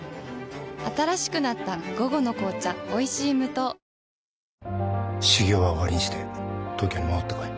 新しくなった「午後の紅茶おいしい無糖」修行は終わりにして東京に戻ってこい。